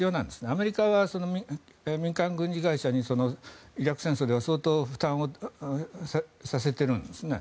アメリカは民間軍事会社にイラク戦争では相当負担をさせているんですね。